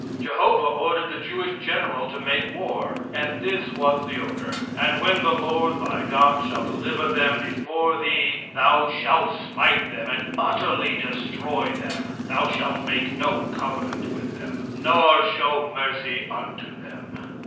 Jehovah ordered the Jewish general to make war, and this was the order: "And when the Lord thy God shall deliver them before thee, thou shalt smite them and utterly destroy them; thou shalt make no covenant with them, nor show mercy unto them."